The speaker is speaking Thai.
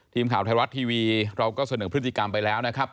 ทีมข่าวไทยรัฐทีวีเราก็เสนอพฤติกรรมไปแล้วนะครับ